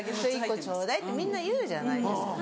「１個ちょうだい」ってみんな言うじゃないですか。